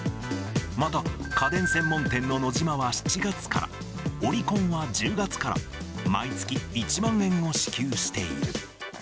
また、家電専門店のノジマは７月から、オリコンは１０月から、毎月１万円を支給している。